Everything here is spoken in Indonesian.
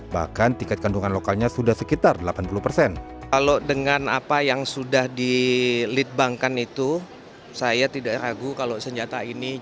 bahkan tiket kandungan lokalnya sudah sekitar delapan puluh persen